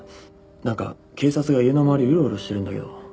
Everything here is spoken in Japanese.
なんか警察が家の周りうろうろしてるんだけど。